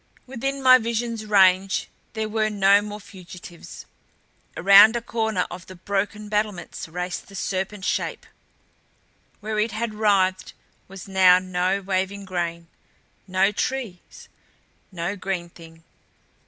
Within my vision's range there were no more fugitives. Around a corner of the broken battlements raced the serpent Shape. Where it had writhed was now no waving grain, no trees, no green thing.